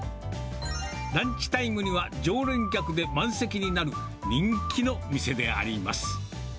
ランチタイムには常連客で満席になる、人気の店であります。